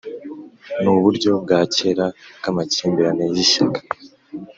nuburyo bwa kera bwamakimbirane yishyaka;